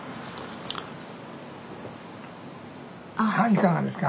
いかがですか？